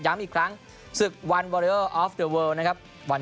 เจอกับนักสู้